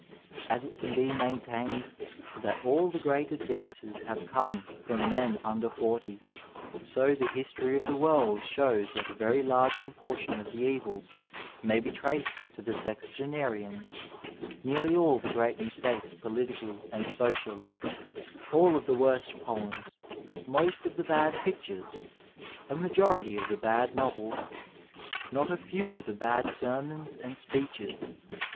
As it can be maintained that all the great advances have come from men under forty, so the history of the world shows that a very large proportion of the evils may be traced to the sexagenarians — ^nearly all the great mistakes politically and socially, all of the worst poems, most of the bad pictures, a majority of the bad novels, not a few of the bad sermons and speeches.